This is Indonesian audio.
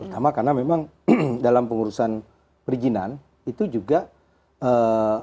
pertama karena memang dalam pengurusan perizinan itu juga ee